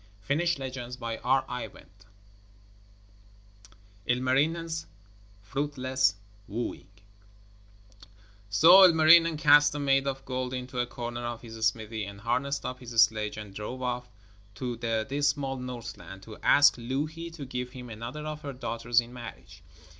ILMARINEN'S FRUITLESS WOOING So Ilmarinen cast the maid of gold into a corner of his smithy and harnessed up his sledge and drove off to the dismal Northland, to ask Louhi to give him another of her daughters in marriage.